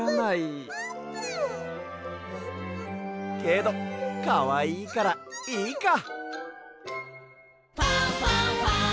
けどかわいいからいいか！